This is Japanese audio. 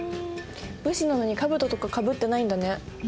武士なのにかぶととかかぶってないんだね。